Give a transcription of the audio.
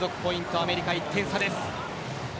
アメリカ１点差です。